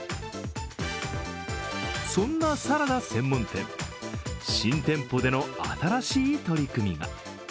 そんなサラダ専門店、新店舗での新しい取り組みが。